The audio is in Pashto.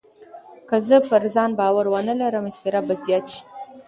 که زه پر ځان باور ونه لرم، اضطراب به زیات شي.